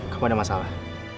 kalo ada masalah